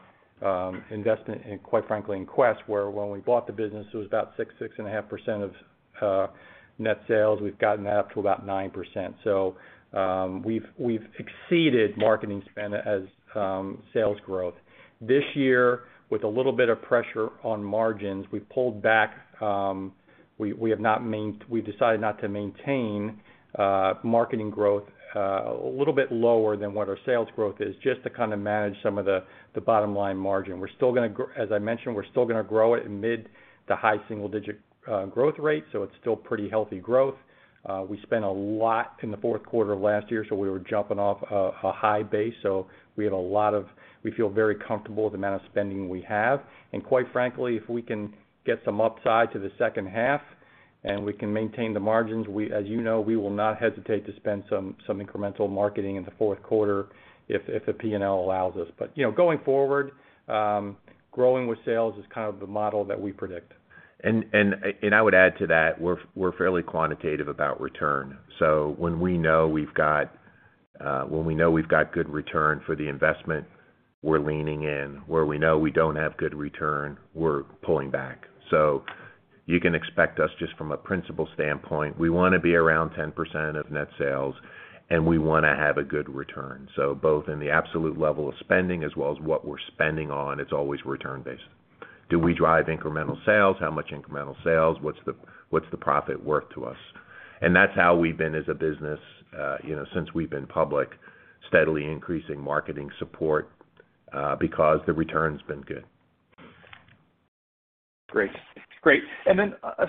investment in, quite frankly, in Quest, where when we bought the business, it was about 6.5% of net sales. We've gotten that up to about 9%. We've exceeded marketing spend as sales growth. This year, with a little bit of pressure on margins, we pulled back. We have not—we've decided not to maintain marketing growth a little bit lower than what our sales growth is just to kind of manage some of the bottom line margin. We're still gonna—as I mentioned, we're still gonna grow it in mid- to high-single-digit growth rate, so it's still pretty healthy growth. We spent a lot in the fourth quarter of last year, so we were jumping off a high base. We feel very comfortable with the amount of spending we have. Quite frankly, if we can get some upside to the second half and we can maintain the margins, as you know, we will not hesitate to spend some incremental marketing in the fourth quarter if the P&L allows us. You know, going forward, growing with sales is kind of the model that we predict. I would add to that, we're fairly quantitative about return. When we know we've got good return for the investment, we're leaning in. Where we know we don't have good return, we're pulling back. You can expect us just from a principal standpoint, we wanna be around 10% of net sales, and we wanna have a good return. Both in the absolute level of spending as well as what we're spending on, it's always return based. Do we drive incremental sales? How much incremental sales? What's the profit worth to us? That's how we've been as a business, you know, since we've been public, steadily increasing marketing support because the return's been good.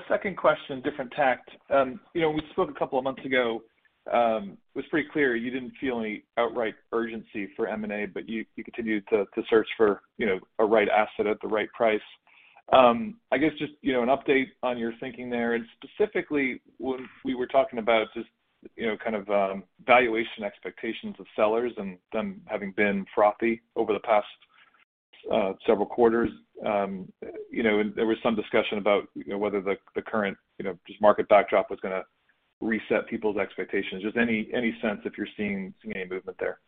Second question, different tack. You know, we spoke a couple of months ago. It was pretty clear you didn't feel any outright urgency for M&A, but you continued to search for you know a right asset at the right price. I guess just you know an update on your thinking there. Specifically, when we were talking about just you know kind of valuation expectations of sellers and them having been frothy over the past several quarters. You know there was some discussion about you know whether the current you know just market backdrop was gonna reset people's expectations. Just any sense if you're seeing any movement there.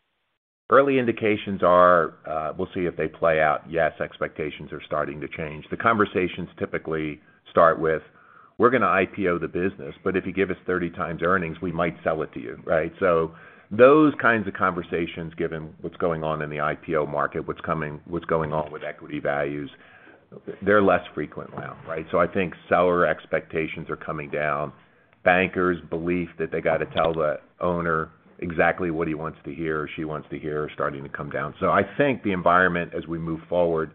Early indications are, we'll see if they play out. Yes, expectations are starting to change. The conversations typically start with, "We're gonna IPO the business, but if you give us 30 times earnings, we might sell it to you." Right? Those kinds of conversations, given what's going on in the IPO market, what's going on with equity values, they're less frequent now, right? I think seller expectations are coming down. Bankers' belief that they gotta tell the owner exactly what he wants to hear or she wants to hear are starting to come down. I think the environment as we move forward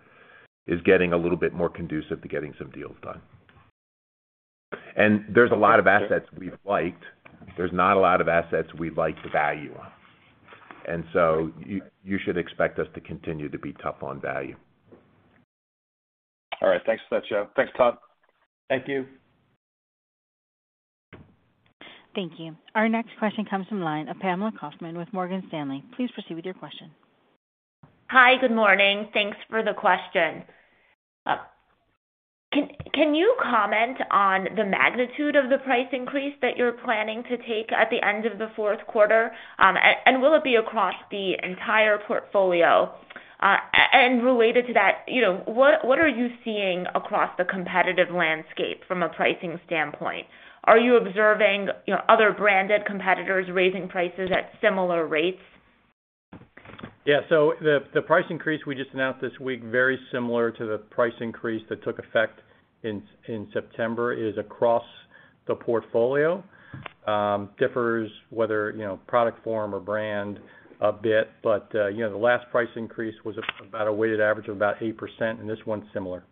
is getting a little bit more conducive to getting some deals done. There's a lot of assets we've liked. There's not a lot of assets we like the value on. You should expect us to continue to be tough on value. All right. Thanks for that, Joe. Thanks, Todd. Thank you. Thank you. Our next question comes from the line of Pamela Kaufman with Morgan Stanley. Please proceed with your question. Hi. Good morning. Thanks for the question. Can you comment on the magnitude of the price increase that you're planning to take at the end of the fourth quarter? Will it be across the entire portfolio? Related to that, you know, what are you seeing across the competitive landscape from a pricing standpoint? Are you observing, you know, other branded competitors raising prices at similar rates? Yeah, the price increase we just announced this week is very similar to the price increase that took effect in September. It is across the portfolio. It differs by product form or brand a bit. You know, the last price increase was about a weighted average of about 8%, and this one's similar.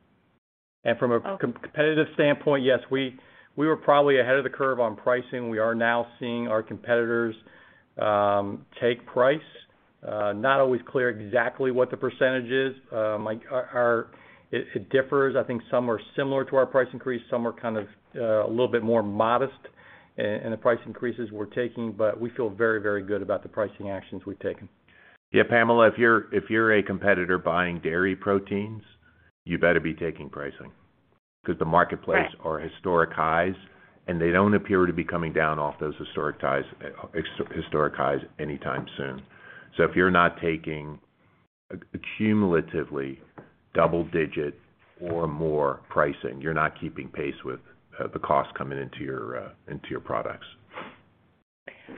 From a competitive standpoint, yes, we were probably ahead of the curve on pricing. We are now seeing our competitors take price. Not always clear exactly what the percentage is. It differs. I think some are similar to our price increase. Some are kind of a little bit more modest in the price increases we're taking. We feel very, very good about the pricing actions we've taken. Yeah, Pamela, if you're a competitor buying dairy proteins, you better be taking pricing because the marketplace are historic highs, and they don't appear to be coming down off those historic highs anytime soon. If you're not taking cumulatively double digit or more pricing, you're not keeping pace with the cost coming into your products.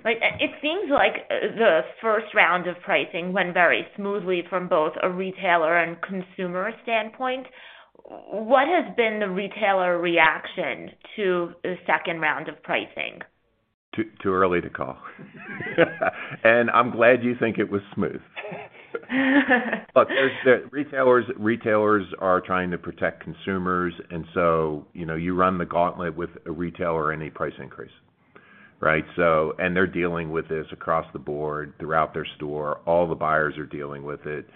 Right. It seems like the first round of pricing went very smoothly from both a retailer and consumer standpoint. What has been the retailer reaction to the second round of pricing? Too early to call. I'm glad you think it was smooth. Look, there's the retailers. Retailers are trying to protect consumers, and so, you know, you run the gauntlet with a retailer in a price increase, right? They're dealing with this across the board throughout their store. All the buyers are dealing with it.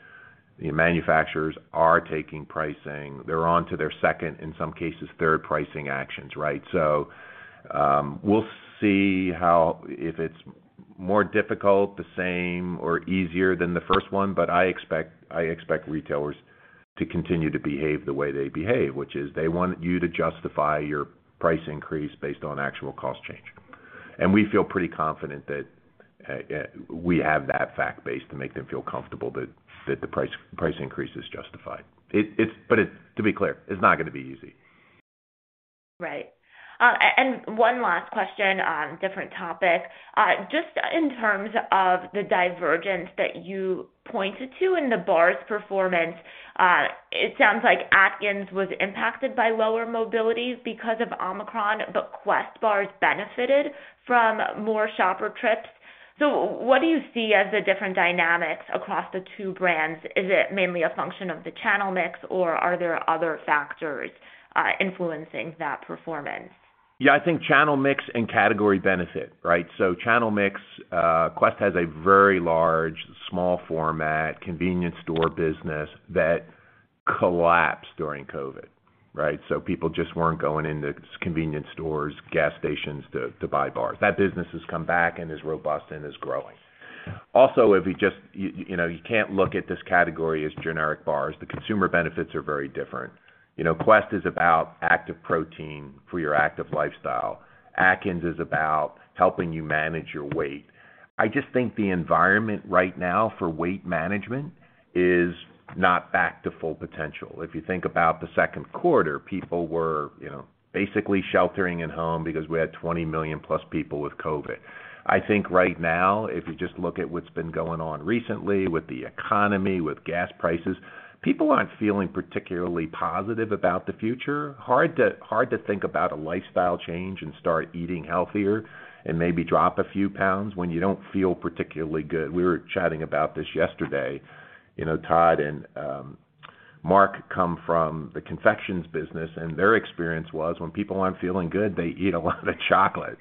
The manufacturers are taking pricing. They're on to their second, in some cases, third pricing actions, right? We'll see how if it's more difficult, the same, or easier than the first one, but I expect retailers to continue to behave the way they behave, which is they want you to justify your price increase based on actual cost change. We feel pretty confident that we have that fact base to make them feel comfortable that the price increase is justified. It's, to be clear, it's not gonna be easy. Right. One last question on different topic. Just in terms of the divergence that you pointed to in the bars performance, it sounds like Atkins was impacted by lower mobilities because of Omicron, but Quest bars benefited from more shopper trips. What do you see as the different dynamics across the two brands? Is it mainly a function of the channel mix, or are there other factors influencing that performance? Yeah. I think channel mix and category benefit, right? Channel mix, Quest has a very large small format convenience store business that collapsed during COVID, right? People just weren't going into convenience stores, gas stations to buy bars. That business has come back and is robust and is growing. Also, you know, you can't look at this category as generic bars. The consumer benefits are very different. You know, Quest is about active protein for your active lifestyle. Atkins is about helping you manage your weight. I just think the environment right now for weight management is not back to full potential. If you think about the second quarter, people were, you know, basically sheltering at home because we had 20 million+ people with COVID. I think right now, if you just look at what's been going on recently with the economy, with gas prices, people aren't feeling particularly positive about the future. Hard to think about a lifestyle change and start eating healthier and maybe drop a few pounds when you don't feel particularly good. We were chatting about this yesterday. You know, Todd and Mark come from the confections business, and their experience was when people aren't feeling good, they eat a lot of chocolate.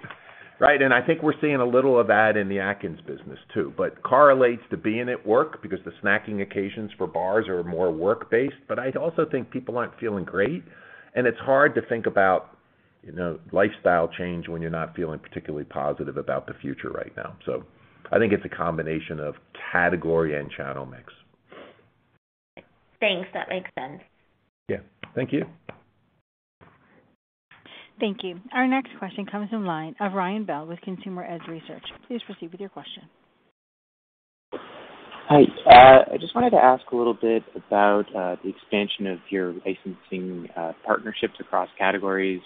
Right? I think we're seeing a little of that in the Atkins business too. Correlates to being at work because the snacking occasions for bars are more work-based. I'd also think people aren't feeling great, and it's hard to think about. You know, lifestyle change when you're not feeling particularly positive about the future right now. I think it's a combination of category and channel mix. Thanks. That makes sense. Yeah. Thank you. Thank you. Our next question comes in line of Bryan Spillane with Consumer Edge Research. Please proceed with your question. Hi, I just wanted to ask a little bit about the expansion of your licensing partnerships across categories.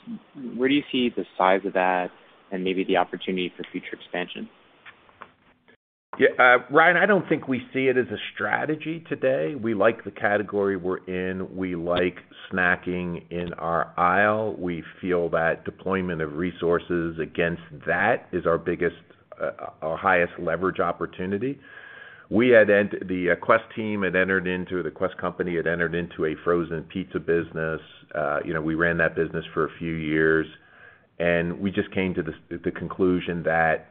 Where do you see the size of that and maybe the opportunity for future expansion? Yeah, Bryan, I don't think we see it as a strategy today. We like the category we're in. We like snacking in our aisle. We feel that deployment of resources against that is our biggest, our highest leverage opportunity. The Quest company had entered into a frozen pizza business. You know, we ran that business for a few years, and we just came to the conclusion that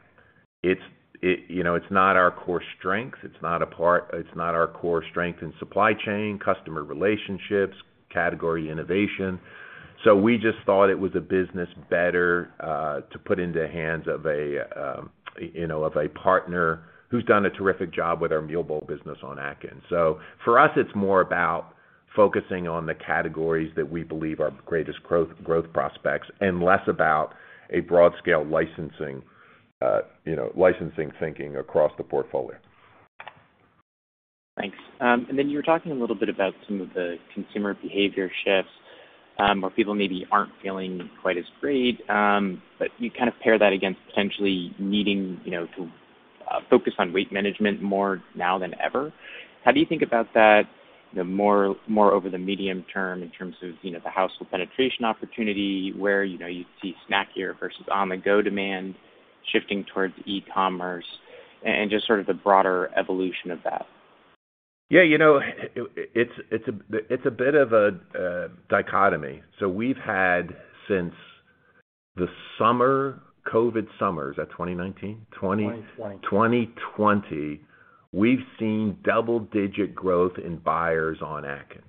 it's, you know, not our core strength. It's not our core strength in supply chain, customer relationships, category innovation. We just thought it was a business better to put into the hands of a, you know, of a partner who's done a terrific job with our meal bowl business on Atkins. For us, it's more about focusing on the categories that we believe are greatest growth prospects and less about a broad scale licensing, you know, licensing thinking across the portfolio. Thanks. And then you were talking a little bit about some of the consumer behavior shifts, where people maybe aren't feeling quite as great, but you kind of pair that against potentially needing, you know, to focus on weight management more now than ever. How do you think about that, you know, more over the medium term in terms of, you know, the household penetration opportunity where, you know, you see snack here versus on-the-go demand shifting towards e-commerce and just sort of the broader evolution of that? Yeah, you know, it's a bit of a dichotomy. We've had since the summer, COVID summer, is that 2019? Twenty- 2020. 2020, we've seen double-digit growth in buyers on Atkins.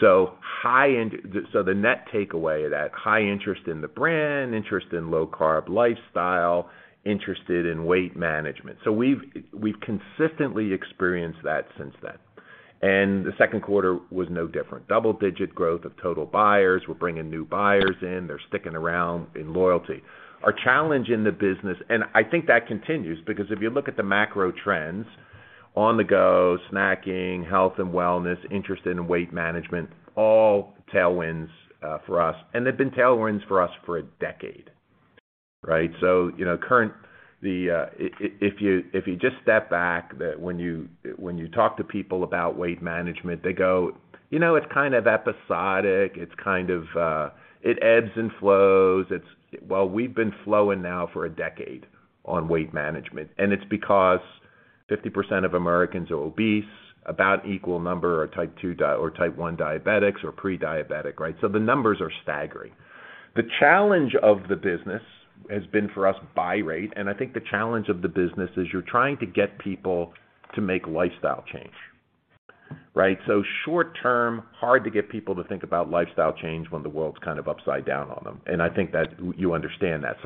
High end, the net takeaway of that, high interest in the brand, interest in low carb lifestyle, interest in weight management. We've consistently experienced that since then. The second quarter was no different. Double-digit growth of total buyers. We're bringing new buyers in. They're sticking around in loyalty. Our challenge in the business. I think that continues because if you look at the macro trends, on-the-go snacking, health and wellness, interest in weight management, all tailwinds for us. They've been tailwinds for us for a decade, right? You know, currently, if you just step back, when you talk to people about weight management, they go, "You know, it's kind of episodic. It's kind of, it ebbs and flows. Well, we've been flowing now for a decade on weight management, and it's because 50% of Americans are obese, about an equal number are type two diabetic or type one diabetics or prediabetic, right? The numbers are staggering. The challenge of the business has been, for us, buy rate. I think the challenge of the business is you're trying to get people to make lifestyle change, right? Short term, hard to get people to think about lifestyle change when the world's kind of upside down on them. I think that you understand that.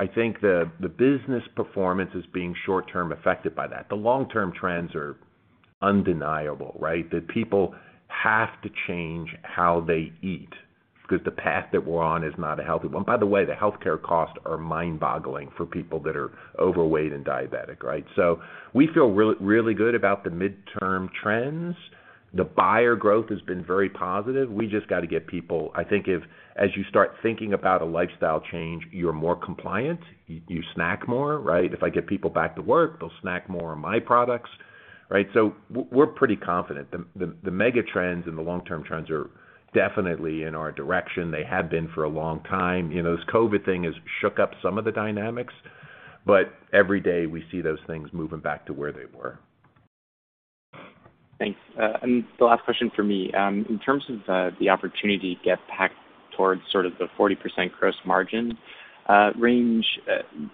I think the business performance is being short term affected by that. The long term trends are undeniable, right? That people have to change how they eat because the path that we're on is not a healthy one. By the way, the healthcare costs are mind-boggling for people that are overweight and diabetic, right? We feel really good about the midterm trends. The buyer growth has been very positive. We just got to get people. As you start thinking about a lifestyle change, you're more compliant, you snack more, right? If I get people back to work, they'll snack more on my products, right? We're pretty confident the mega trends and the long-term trends are definitely in our direction. They have been for a long time. You know, this COVID thing has shook up some of the dynamics, but every day, we see those things moving back to where they were. Thanks. And the last question for me. In terms of the opportunity to get back towards sort of the 40% gross margin range,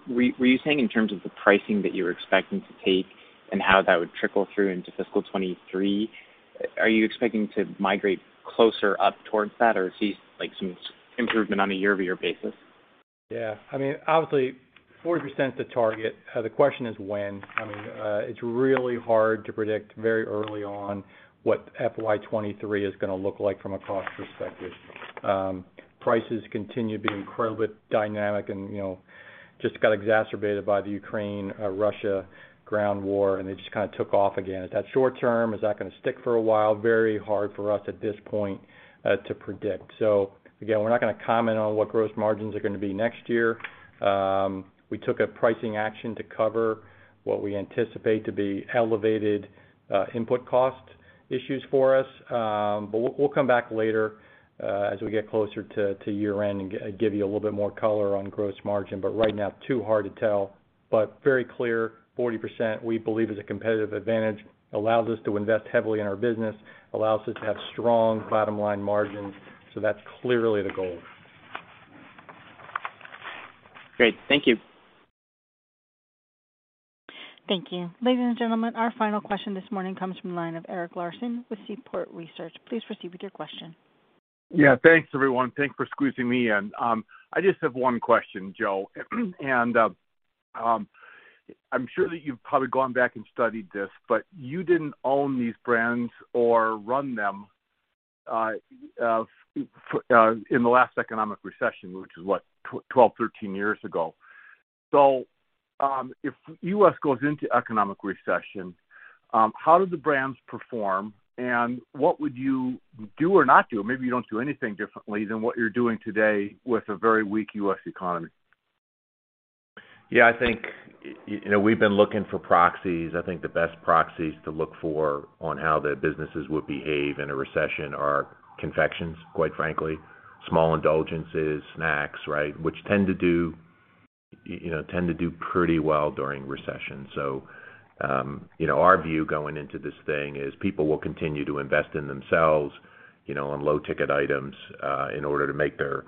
were you saying in terms of the pricing that you were expecting to take and how that would trickle through into fiscal 2023? Are you expecting to migrate closer up towards that or see, like, some improvement on a year-over-year basis? Yeah. I mean, obviously 40%'s the target. The question is when. I mean, it's really hard to predict very early on what FY 2023 is gonna look like from a cost perspective. Prices continue to be incredibly dynamic and, you know, just got exacerbated by the Ukraine-Russia ground war, and they just kinda took off again. Is that short term? Is that gonna stick for a while? Very hard for us at this point to predict. Again, we're not gonna comment on what gross margins are gonna be next year. We took a pricing action to cover what we anticipate to be elevated input cost issues for us. We'll come back later as we get closer to year-end and give you a little bit more color on gross margin. Right now, too hard to tell. Very clear, 40% we believe is a competitive advantage, allows us to invest heavily in our business, allows us to have strong bottom line margins. That's clearly the goal. Great. Thank you. Thank you. Ladies and gentlemen, our final question this morning comes from the line of Eric Larson with Seaport Research. Please proceed with your question. Yeah, thanks, everyone. Thanks for squeezing me in. I just have one question, Joe. I'm sure that you've probably gone back and studied this, but you didn't own these brands or run them in the last economic recession, which is, what? 12, 13 years ago. If U.S. goes into economic recession, how do the brands perform, and what would you do or not do? Maybe you don't do anything differently than what you're doing today with a very weak U.S. economy. Yeah, I think you know we've been looking for proxies. I think the best proxies to look for on how the businesses would behave in a recession are confections, quite frankly, small indulgences, snacks, right? Which tend to do, you know, pretty well during recession. You know, our view going into this thing is people will continue to invest in themselves, you know, on low-ticket items, in order to make their,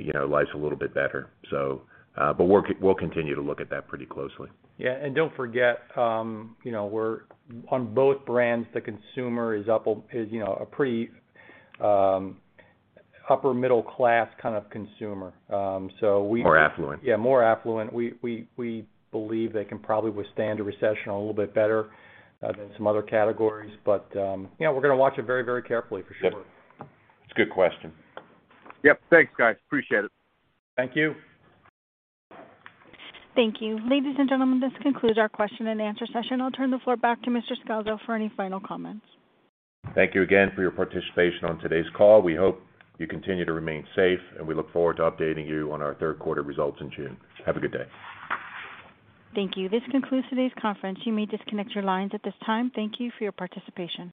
you know, lives a little bit better. We'll continue to look at that pretty closely. Yeah. Don't forget, you know, on both brands, the consumer is, you know, a pretty upper middle class kind of consumer. We- More affluent. Yeah, more affluent. We believe they can probably withstand a recession a little bit better than some other categories. You know, we're gonna watch it very, very carefully, for sure. Yep. It's a good question. Yep. Thanks, guys. Appreciate it. Thank you. Thank you. Ladies and gentlemen, this concludes our question and answer session. I'll turn the floor back to Mr. Scalzo for any final comments. Thank you again for your participation on today's call. We hope you continue to remain safe, and we look forward to updating you on our third quarter results in June. Have a good day. Thank you. This concludes today's conference. You may disconnect your lines at this time. Thank you for your participation.